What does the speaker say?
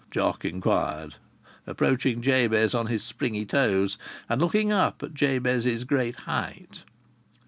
Jock inquired, approaching Jabez on his springy toes, and looking up at Jabez's great height.